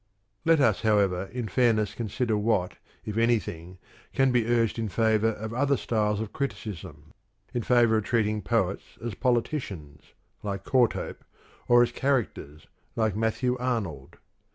Let us, however, in fairness consider what, if any thing, can be urged in favour of other styles of criticism, in favour of treating poets as politicians, like Courthope, or as characters, like Matthew Arnold.